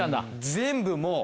全部もう。